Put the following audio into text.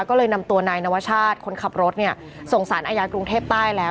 ก็เลยนำตัวนายนวชาติคนขับรถเนี่ยส่งสารอาญากรุงเทพใต้แล้ว